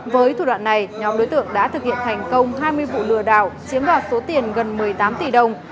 với thủ đoạn này nhóm đối tượng đã thực hiện thành công hai mươi vụ lừa đảo chiếm đoạt số tiền gần một mươi tám tỷ đồng